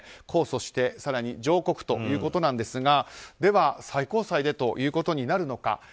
控訴して更に上告ということなんですがでは、最高裁でということになるのか。